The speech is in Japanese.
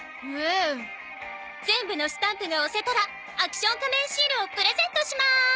全部のスタンプが押せたらアクション仮面シールをプレゼントします！